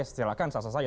ya silahkan sasar saja